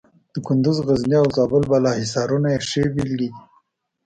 د کندز، غزني او زابل بالا حصارونه یې ښې بېلګې دي.